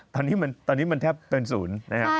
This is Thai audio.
ตอนนี้มันแทบเป็นศูนย์